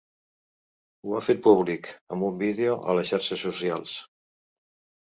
Ho ha fet públic amb un vídeo a les xarxes socials.